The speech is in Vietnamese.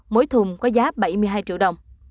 mỗi thùng có giá bảy mươi hai triệu đồng